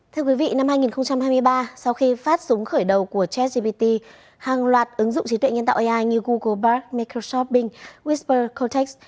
thưa quý vị năm hai nghìn hai mươi ba sau khi phát súng khởi đầu của chessgpt hàng loạt ứng dụng trí tuệ nhân tạo ai như google bark microsoft bing whisper cortex